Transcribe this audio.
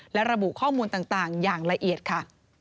และระบุข้อมูลต่างอย่างละเอียดค่ะ